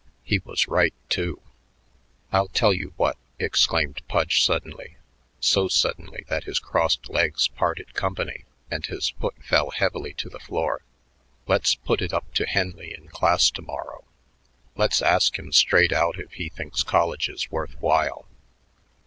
He was right, too." "I'll tell you what," exclaimed Pudge suddenly, so suddenly that his crossed legs parted company and his foot fell heavily to the floor. "Let's put it up to Henley in class to morrow. Let's ask him straight out if he thinks college is worth while."